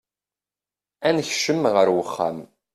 Ad nekcem ar wexxam.